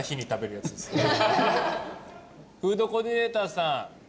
フードコーディネーターさん